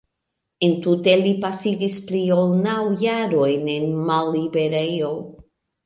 Entute li pasigis pli ol naŭ jarojn en malliberejo.